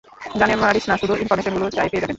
জানে মারিস না শুধু ইনফরমেশনগুলো চাই পেয়ে যাবেন।